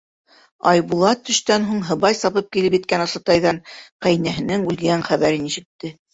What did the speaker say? ...Айбулат төштән һуң һыбай сабып килеп еткән Асатайҙан ҡәйнәһенең үлгән хәбәрен ишетте.